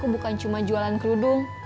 bukan cuma jualan kerudung